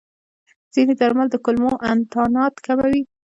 ځینې درمل د کولمو انتانات کموي.